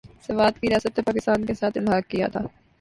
سوات کی ریاست نے پاکستان کے ساتھ الحاق کیا تھا ۔